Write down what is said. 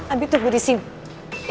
abi tunggu di sini